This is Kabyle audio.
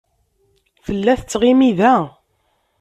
Tella tettɣimi da.